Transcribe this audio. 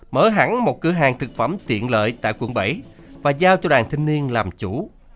mở hẳn một cửa hàng thực phẩm tiện lợi tại quận bảy và giao cho đoàn thanh niên làm chủ